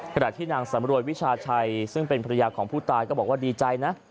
ขณะที่นางสำรวยวิชาชัยซึ่งเป็นภรรยาของผู้ตายก็บอกว่าดีใจนะ